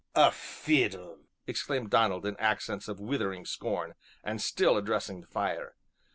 "A fiddle!" exclaimed Donald in accents of withering scorn, and still addressing the fire.